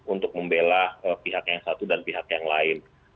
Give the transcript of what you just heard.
untuk membela pihak yang satu dan pihak yang lain